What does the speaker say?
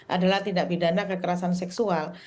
adalah tindak pidana kekerasan seksual